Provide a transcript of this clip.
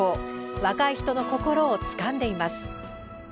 若い人の心をつかんでいます。